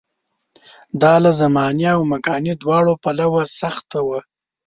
دا له زماني او مکاني دواړو پلوه سخته وه.